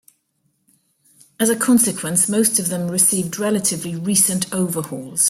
As a consequence most of them received relatively recent overhauls.